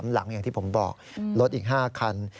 หลังอย่างที่ผมบอกรถอีก๕คัน